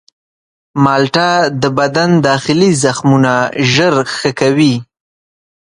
مالټه د بدن داخلي زخمونه ژر ښه کوي.